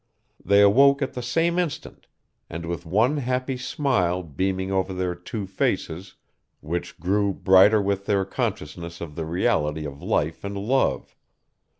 They awoke at the same instant, and with one happy smile beaming over their two faces, which grew brighter with their consciousness of the reality of life and love.